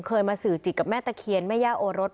เคยมาสื่อจิตกับแม่ตะเคียนแม่ย่าโอรส